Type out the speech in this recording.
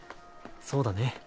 そうだね。